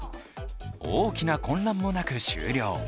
大きな混乱もなく終了。